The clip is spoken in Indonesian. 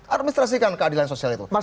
administrasikan keadilan sosial itu